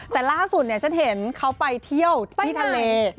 แต่ล่าสุดเนี่ยฉันเห็นเขาไปเที่ยวที่ทะเล